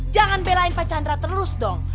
jangan belain pak chandra terus dong